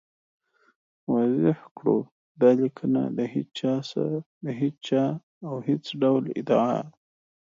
واضح کړو، دا لیکنه د هېچا او هېڅ ډول ادعا